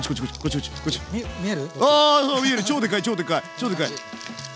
超でかい！